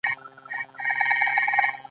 استاد د همت او جرئت الهام دی.